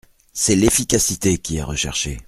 C’est l’efficacité qui est recherchée.